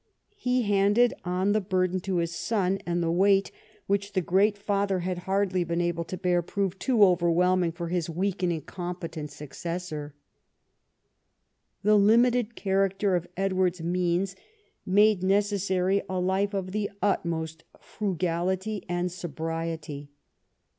He handed on the burden to his son, and the weight which the IV THE KING AND HIS WORK 67 great father had. hardly been able to bear proved too overwhelming for his weak and incompetent suc cessor. The limited character of Edward's means made necessary a life of the utmost frugality and sobriety.